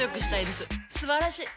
すばらしい！